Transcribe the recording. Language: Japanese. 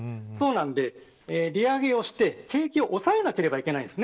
なので利上げをして景気を抑えなければいけないんです。